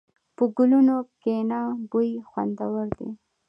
په ګلونو کښېنه، بوی یې خوندور دی.